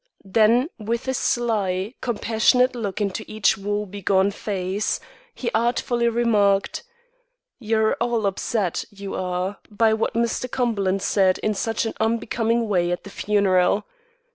Then with a sly, compassionate look into each woe begone face, he artfully remarked: "You're all upset, you are, by what Mr. Cumberland said in such an unbecoming way at the funeral.